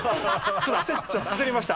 ちょっと焦りました。